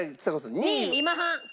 ２位今半！